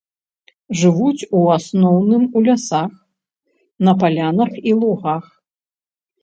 Жывуць у асноўным у лясах, на палянах і лугах.